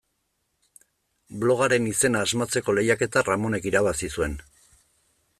Blogaren izena asmatzeko lehiaketa Ramonek irabazi zuen.